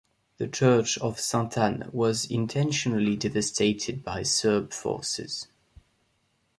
The Church of Saint Anne was intentionally devastated by Serb forces.